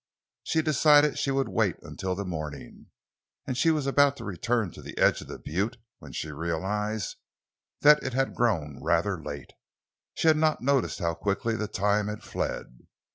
She decided she would wait until the morning, and she was about to return to the edge of the butte, when she realized that it had grown rather late. She had not noticed how quickly the time had fled.